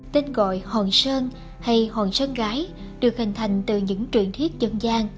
tên gọi hòn sơn hay hòn sơn gái được hình thành từ những truyền thuyết dân gian